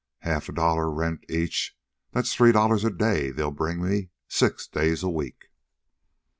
Half a dollar rent each that's three dollars a day they'll bring me six days a week.